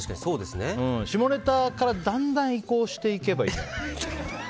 下ネタからだんだん移行していけばいいんじゃない？